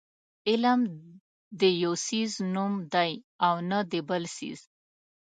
علم د یو څیز نوم دی او ونه د بل څیز.